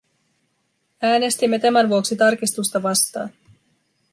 Äänestimme tämän vuoksi tarkistusta vastaan.